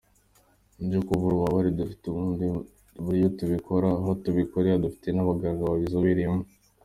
Ibyo kuvura ububabare dufite ubundi buryo tubikora, aho tubikorera, dufite n’abaganga babizobereyemo.